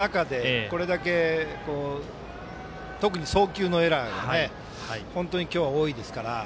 これだけ優位な試合の中でこれだけ、特に送球のエラーが本当に今日は多いですから。